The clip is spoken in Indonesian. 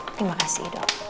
terima kasih dok